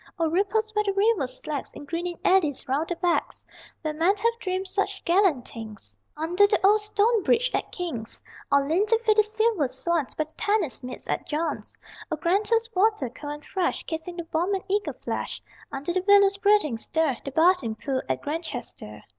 O ripples where the river slacks In greening eddies round the "backs"; Where men have dreamed such gallant things Under the old stone bridge at King's. Or leaned to feed the silver swans By the tennis meads at John's. O Granta's water, cold and fresh, Kissing the warm and eager flesh Under the willow's breathing stir The bathing pool at Grantchester....